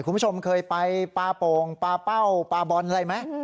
คุณผู้ชมเคยไปปลาโป่งปลาเป้าปลาบอลอะไรไหม